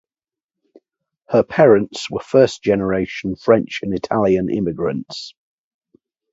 Her parents were first generation French and Italian immigrants.